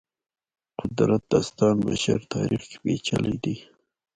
قدرت داستان بشر تاریخ کې پېچلي دی.